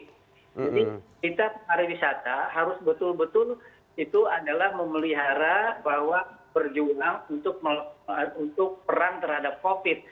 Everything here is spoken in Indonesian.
jadi kita para wisata harus betul betul itu adalah memelihara bahwa berjuang untuk perang terhadap covid sembilan belas